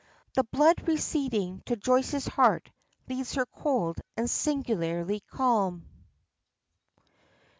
The blood receding to Joyce's heart leaves her cold and singularly calm.